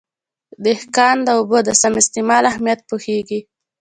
دهقان د اوبو د سم استعمال اهمیت پوهېږي.